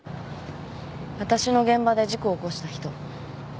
わたしの現場で事故起こした人。